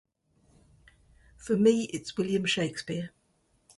For me it's William Shakespeare.